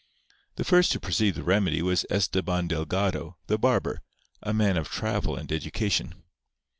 The first to perceive the remedy was Estebán Delgado, the barber, a man of travel and education.